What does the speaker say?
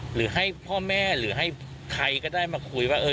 หรือให้พ่อแม่หรือให้ใครก็ได้มาคุยว่า